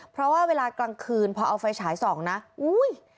เพราะว่าเวลากลางคืนพอเอาไฟฉายส่องนะอุ้ย